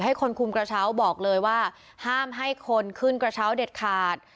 ให้คนคุมกระเช้าบอกเลยว่าห้ามให้คนขึ้นกระเช้าเด็ดขาด